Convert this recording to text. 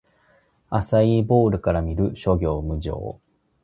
アサイーボウルから見る！諸行無常